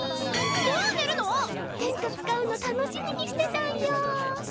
もう寝るの⁉テント使うの楽しみにしてたんよ。